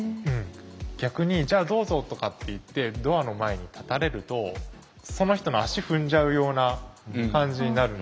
逆に「じゃあどうぞ」とかっていってドアの前に立たれるとその人の足踏んじゃうような感じになる。